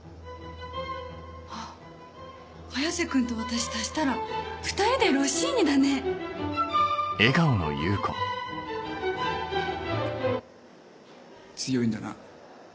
あっ早瀬君と私足したら２人でロッシーニだね。強いんだな。